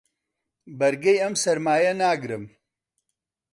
بەرگەی ئەم سەرمایە ناگرم.